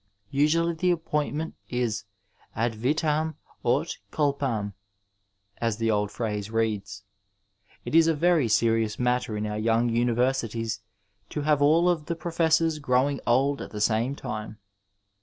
Usually the appointment is ad vitam (xut culpam, as the old phrase reads. It is a very serious matter in our young universities to have aD of the professors growing old at the same time.